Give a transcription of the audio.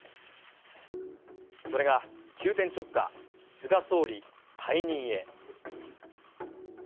それが急転直下、菅総理、退任へ。